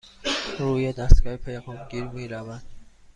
روی دستگاه پیغام گیر می رود.